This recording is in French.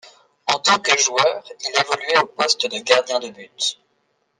En tant que joueur, il évoluait au poste de gardien de but.